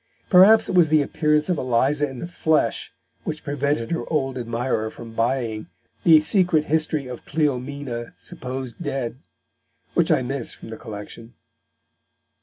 Perhaps it was the appearance of Eliza in the flesh which prevented her old admirer from buying The Secret History of Cleomina, suppos'd dead, which I miss from the collection.